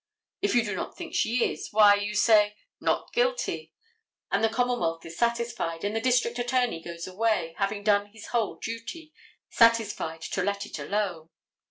If you do not think she is, why, you say, "Not guilty;" and the commonwealth is satisfied, and the district attorney goes away, having done his whole duty, satisfied to let it alone.